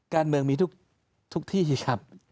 การเมืองมีทุกที่สิครับ